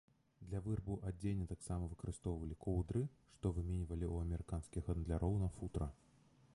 Для вырабу адзення таксама выкарыстоўвалі коўдры, што выменьвалі ў амерыканскіх гандляроў на футра.